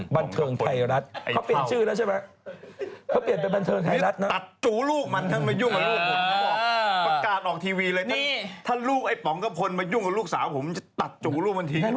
บันเทิงไทยรัฐเค้าเปลี่ยนชื่อแล้วใช่ไหม